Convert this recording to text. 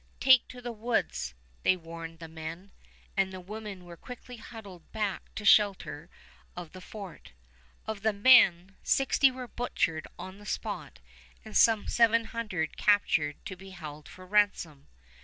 "Take to the woods," they warned the men, and the women were quickly huddled back to shelter of the fort. Of the men, sixty were butchered on the spot and some seven hundred captured to be held for ransom.